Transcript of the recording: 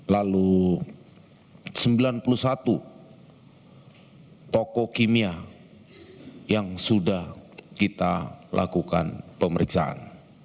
lalu sembilan puluh satu toko kimia yang sudah kita lakukan pemeriksaan